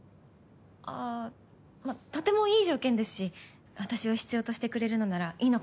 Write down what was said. あぁまあとてもいい条件ですし私を必要としてくれるのならいいのかなと思って。